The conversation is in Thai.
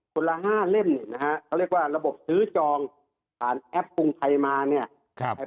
ส่วนละ๕เล่มเขาเรียกว่าระบบซื้อจองผ่านแอปภูมิไทยมาเนี่ย